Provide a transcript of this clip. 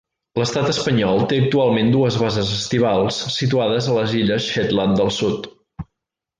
L'estat espanyol té actualment dues bases estivals situades a les Illes Shetland del Sud.